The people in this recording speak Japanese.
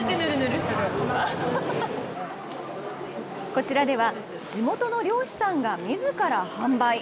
こちらでは、地元の漁師さんがみずから販売。